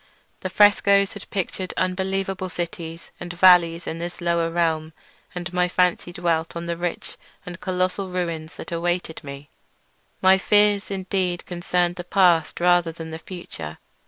The frescoes had pictured unbelievable cities, hills, and valleys in this lower realm, and my fancy dwelt on the rich and colossal ruins that awaited me. My fears, indeed, concerned the past rather than the future.